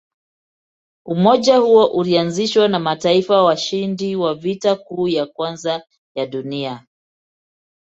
Umoja huo ulianzishwa na mataifa washindi wa Vita Kuu ya Kwanza ya Dunia.